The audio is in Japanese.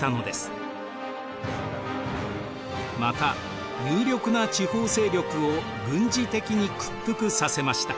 また有力な地方勢力を軍事的に屈服させました。